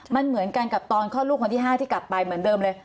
มันเหมือนกันกับตอนคลอดลูกคนที่๕ที่กลับไปเหมือนเดิมเลย